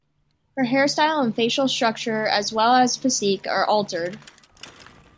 Her hairstyle and facial structure as well as physique are altered.